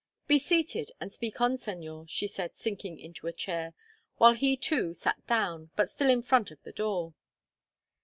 "Be seated, and speak on, Señor," she said, sinking into a chair, while he too sat down, but still in front of the door.